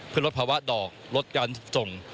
เพื่อลดภาวะดอกลดการส่ง